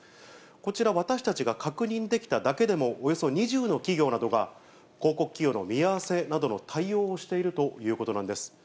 こちら、私たちが確認できただけでも、およそ２０の企業などが、広告起用の見合わせなどの対応をしているということなんです。